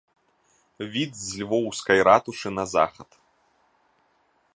Від з львоўскай ратушы на захад.